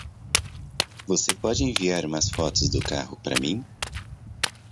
Você poderia enviar umas fotos do carro pra mim